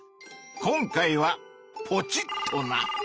今回はポチッとな！